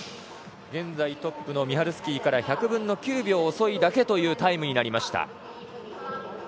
現在トップのミハルスキーから１００分の９秒遅いだけというタイムになりました。